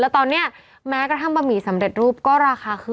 แล้วตอนนี้แม้กระทั่งบะหมี่สำเร็จรูปก็ราคาขึ้น